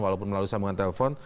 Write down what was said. walaupun melalui sambungan telepon